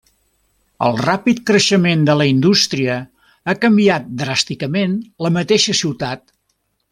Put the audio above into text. El ràpid creixement de la indústria ha canviat dràsticament la mateixa ciutat.